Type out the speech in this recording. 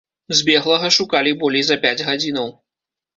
Збеглага шукалі болей за пяць гадзінаў.